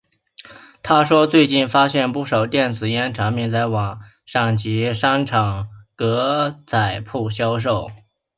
他说最近发现不少电子烟产品在网上及商场格仔铺销售。